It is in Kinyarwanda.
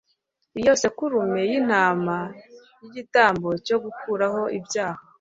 iyo sekurume y intama y igitambo cyo gukuraho ibyaha